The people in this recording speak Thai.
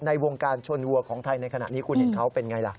ในวงการชนวัวของไทยในขณะนี้คุณเห็นเขาเป็นไงล่ะ